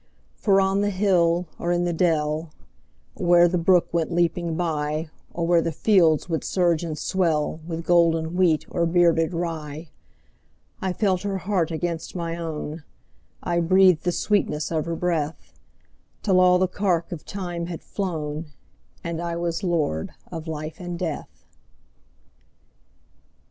For on the hill or in the dell, Or where the brook went leaping byOr where the fields would surge and swellWith golden wheat or bearded rye,I felt her heart against my own,I breathed the sweetness of her breath, Till all the cark of time had flown, And I was lord of life and death.